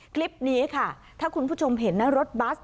คลิปนี้ค่ะถ้าคุณผู้ชมเห็นนะรถบัส